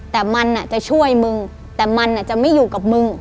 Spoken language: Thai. แต่มันจะช่วยมึงแต่มันจะไม่อยู่กับมึง